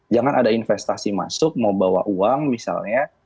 jangan ada investasi masuk mau bawa uang misalnya